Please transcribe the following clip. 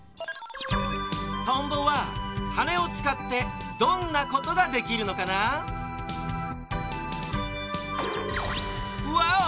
とんぼははねをつかってどんなことができるのかな？ワオ！